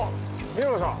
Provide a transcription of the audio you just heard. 三村さん。